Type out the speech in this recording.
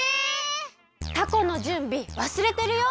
タコのじゅんびわすれてるよ！